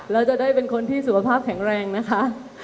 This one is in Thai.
แล้วจะได้เป็นคนที่สุขภาพแข็งแรงนะคะ